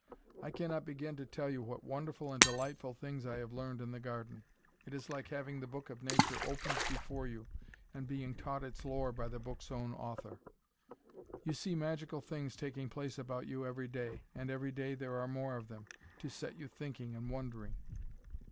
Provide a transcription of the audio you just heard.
I cannot begin to tell you what wonderful and delightful things I have learned in the garden. It is like having the Book of Nature opened before you and being taught its lore by the book's own author. You see magical things taking place about you every day, and every day there are more of them, to set you thinking and wondering.